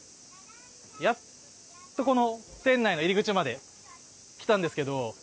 やっとこの店内の入り口まで来たんですけど。